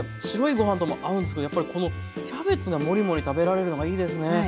白いご飯とも合うんですけどやっぱりこのキャベツがモリモリ食べられるのがいいですね。